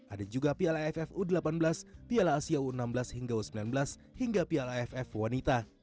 ada juga piala ff u delapan belas piala asia u enam belas hingga u sembilan belas hingga piala aff wanita